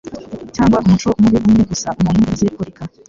cyangwa umuco mubi umwe gusa umuntu yarize kureka.